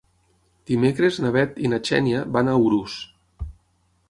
Dimecres na Bet i na Xènia van a Urús.